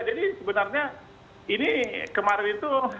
jadi sebenarnya ini kemarin itu